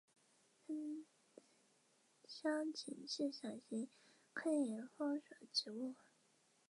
山香芹是伞形科岩风属的植物。